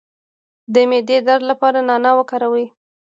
د معدې درد لپاره نعناع وکاروئ